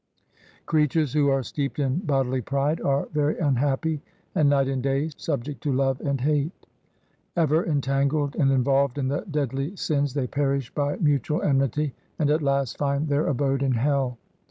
Creatures who are steeped in bodily pride are very unhappy, and night and day subject to love and hate. Ever entangled and involved in the deadly sins, they perish by mutual enmity and at last find their abode in hell.